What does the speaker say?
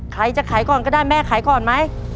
ใครจะขายก่อนก็ได้แม่ขายก่อนไหม